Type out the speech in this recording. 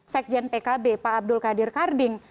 sekjen pkb pak abdul qadir karding